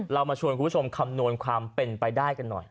เรามาชวนคุณผู้ชมคำนวณความเป็นไปได้กันหน่อย